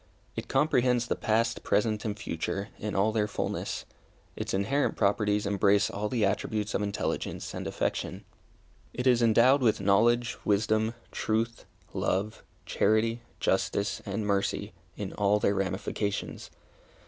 It comprehends the past, present, and future, in all their fulness. Its inherent properties embrace all the attributes of intelligence and affection. It is endowed with knowledge, wisdom, truth, love, charity, justice, and mercy, in all their ramifications.